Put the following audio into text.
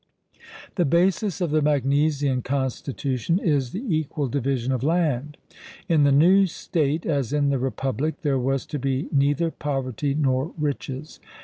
The basis of the Magnesian constitution is the equal division of land. In the new state, as in the Republic, there was to be neither poverty nor riches.